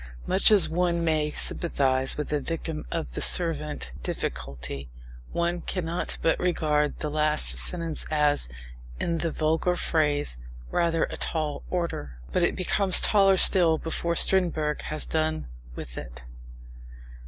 Much as one may sympathize with a victim of the servant difficulty, one cannot but regard the last sentence as, in the vulgar phrase, rather a tall order. But it becomes taller still before Strindberg has done with it.